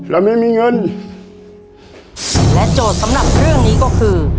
เราไม่มีเงินและโจทย์สำหรับเรื่องนี้ก็คือ